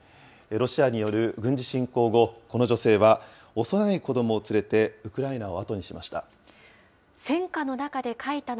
ロシアによる軍事侵攻後、この女性は、幼い子どもを連れてウクライナをあとにしました。